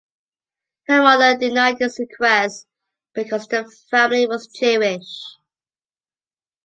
Her mother denied this request because the family was Jewish.